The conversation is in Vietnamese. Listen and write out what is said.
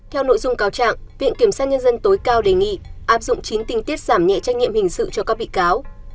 theo nội dung cáo trạng viện kiểm sát nhân dân tối cao đề nghị áp dụng chín tinh tiết giảm nhẹ trách nhiệm hình sự cho các bị cáo